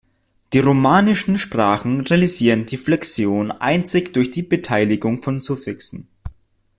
Die romanischen Sprachen realisieren die Flexion einzig durch die Beteiligung von Suffixen.